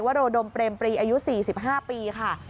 โรดมเปรมปรีอายุ๔๕ปีค่ะ